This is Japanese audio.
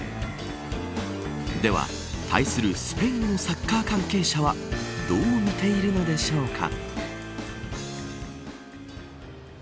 では、対するスペインのサッカー関係者はどう見ているのでしょうか。